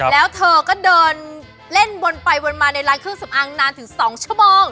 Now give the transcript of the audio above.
แล้วเธอก็เดินเล่นวนไปวนมาในร้านเครื่องสำอางนานถึง๒ชั่วโมง